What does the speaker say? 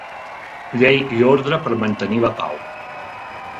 Llei i ordre per mantenir la pau.